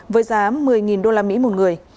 với giá một mươi usd một người